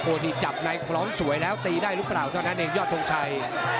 นี่จับในคล้องสวยแล้วตีได้หรือเปล่าเท่านั้นเองยอดทงชัย